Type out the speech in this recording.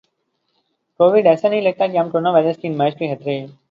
Covid ایسا نہیں لگتا کہ ہم کورونا وائرس کی نمائش کے خطرے ک